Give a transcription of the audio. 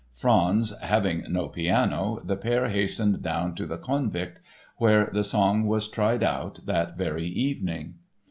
Franz having no piano, the pair hastened down to the Konvikt where the song was tried out that very evening.